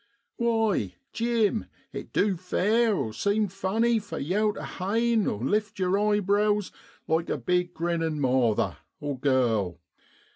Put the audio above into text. Why, Jim, it du fare (seem) funny for yow tu hain (lift) yer eyebrows like a big grinnin' mawther (girl).